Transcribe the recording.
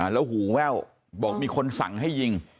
แล้วหูแว่วบอกมีคนสั่งให้ยิง